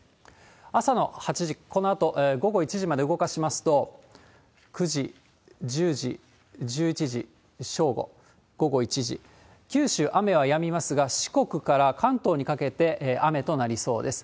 朝の８時、このあと、午後１時まで動かしますと、９時、１０時、１１時、正午、午後１時、九州、雨はやみますが、四国から関東にかけて雨となりそうです。